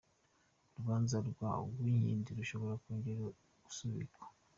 Urubanza rwa Uwinkindi rushobora kongera gusubikwa